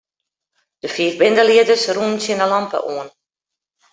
De fiif bindelieders rûnen tsjin 'e lampe oan.